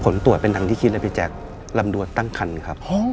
อย่างที่คิดเลยพี่แจ๊กลำดวนตั้งคันครับ